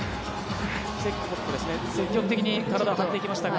積極的に体を張っていきましたが。